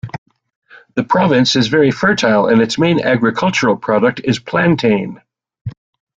The province is very fertile and its main agricultural product is plantain.